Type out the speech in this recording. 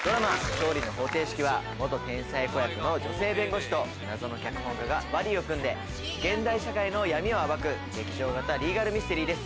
『勝利の法廷式』は天才子役の女性弁護士と謎の脚本家がバディーを組んで現代社会の闇を暴く劇場型リーガルミステリーです。